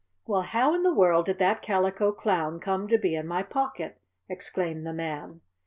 "Well, how in the world did that Calico Clown come to be in my pocket?" exclaimed the man.